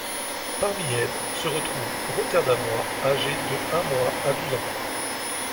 Parmi elles se trouvent rotterdamois, âgés de un mois à douze ans.